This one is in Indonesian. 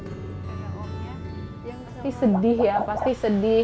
yang pasti sedih ya pasti sedih